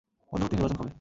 মধ্যবর্তী নির্বাচন কবে?